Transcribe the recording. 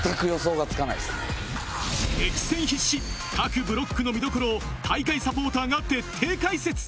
激戦必至各ブロックの見どころを大会サポーターが徹底解説！